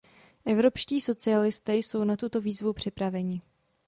Evropští socialisté jsou na tuto výzvu připraveni.